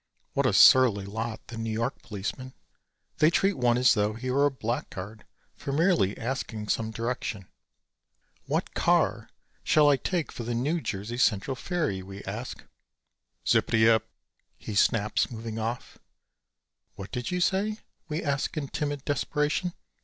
What a surly lot, the New York policemen. They treat one as though he were a blackguard for merely asking some direction. "What car shall I take for the New Jersey Central Ferry?" we ask. "Zippity ip," he snaps, moving off. "What did you say?" we ask in timid desperation.